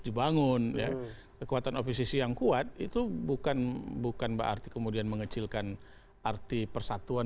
dibangun kekuatan oposisi yang kuat itu bukan bukan berarti kemudian mengecilkan arti persatuan